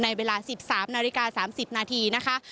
เวลา๑๓นาฬิกา๓๐นาทีนะคะ